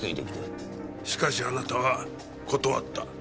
しかしあなたは断った。